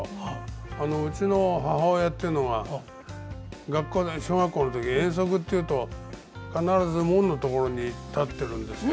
あのうちの母親っていうのが学校で小学校の時遠足っていうと必ず門のところに立ってるんですよ。